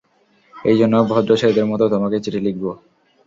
এই জন্য, ভদ্র ছেলেদের মতো তোমাকে চিঠি লিখবো।